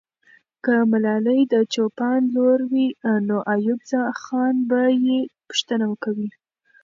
که ملالۍ د چوپان لور وي، نو ایوب خان به یې پوښتنه کوي.